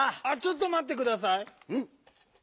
あちょっとまってください。